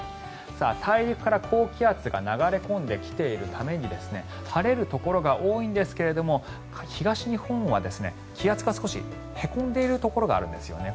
大陸から高気圧が流れ込んできているために晴れるところが多いんですが東日本は気圧が少しへこんでいるところがあるんですね。